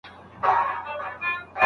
آیا اوښ تر اس ډېر تږی پاته کېږي؟